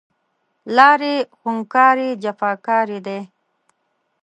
لارې خونکارې، جفاکارې دی